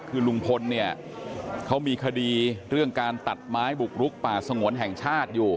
คือลุงพลเนี่ยเขามีคดีเรื่องการตัดไม้บุกลุกป่าสงวนแห่งชาติอยู่